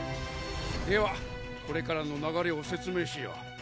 ではこれからの流れを説明しよう。